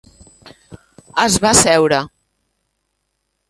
Es va asseure.